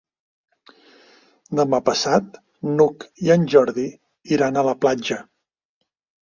Demà passat n'Hug i en Jordi iran a la platja.